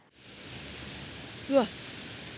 うわっ。